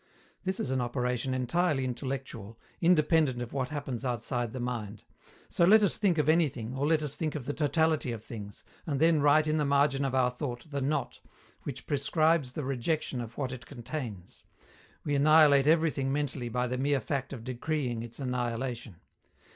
This is an operation entirely intellectual, independent of what happens outside the mind. So let us think of anything or let us think of the totality of things, and then write in the margin of our thought the 'not,' which prescribes the rejection of what it contains: we annihilate everything mentally by the mere fact of decreeing its annihilation."